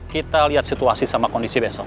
kita lihat situasi sama kondisi besok